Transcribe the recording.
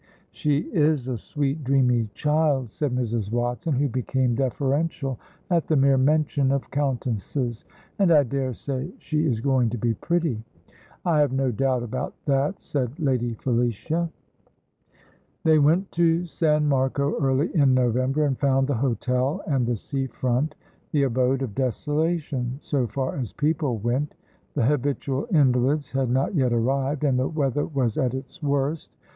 "She is a sweet, dreamy child," said Mrs. Watson, who became deferential at the mere mention of countesses, "and I dare say she is going to be pretty." "I have no doubt about that," said Lady Felicia. They went to San Marco early in November, and found the hotel and the sea front the abode of desolation, so far as people went. The habitual invalids had not yet arrived, and the weather was at its worst.